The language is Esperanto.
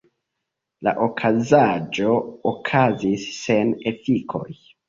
La okazaĵo okazis sen efikoj.